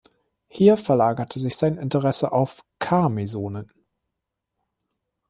Hier verlagerte sich sein Interesse auf K-Mesonen.